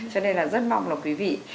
cho nên là rất mong là quý vị